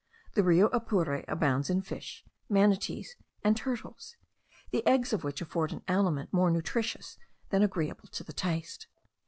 The Rio Apure abounds in fish, manatees, and turtles, the eggs of which afford an aliment more nutritious than agreeable to the taste.